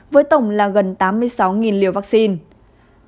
với tổng là gần tám mươi sáu liều vaccine